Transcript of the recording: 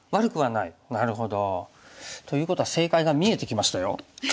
なるほど。ということは正解が見えてきましたよ。